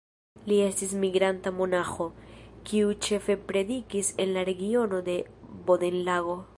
Li estis migranta monaĥo, kiu ĉefe predikis en la regiono de Bodenlago.